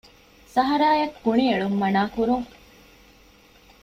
ސަހަރާއަށް ކުނިއެޅުން މަނާ ކުރުން